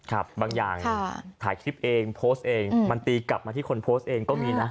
บางอย่างถ่ายคลิปเองโพสต์เองมันตีกลับมาที่คนโพสต์เองก็มีนะ